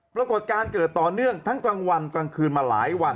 ปรากฏการณ์เกิดต่อเนื่องทั้งกลางวันกลางคืนมาหลายวัน